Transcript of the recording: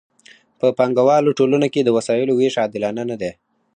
په پانګوالو ټولنو کې د وسایلو ویش عادلانه نه دی.